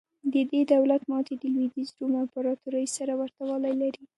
د دې دولت ماتې د لوېدیځ روم امپراتورۍ سره ورته والی لري.